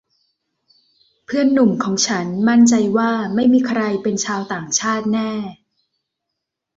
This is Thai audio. เพื่อนหนุ่มของฉันมั่นใจว่าไม่มีใครเป็นชาวต่างชาติแน่